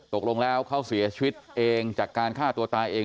ตกลงแล้วเขาเสียชีวิตเองจากการฆ่าตัวตายเอง